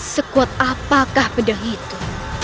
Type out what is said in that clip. sekuat apakah pedang itu